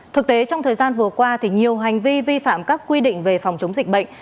thực tế trong thời gian vừa qua nhiều hành vi vi phạm các quy định về phòng chống dịch bệnh